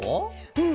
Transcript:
うん。